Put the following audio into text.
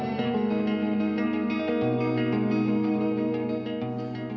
kisah perjuangan guru mansur dalam melawan penjajahan dan kebodohan di masanya